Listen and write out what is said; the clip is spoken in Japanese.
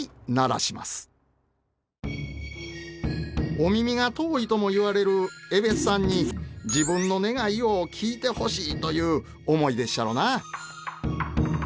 お耳が遠いとも言われるえべっさんに自分の願いを聞いてほしいという思いでっしゃろな。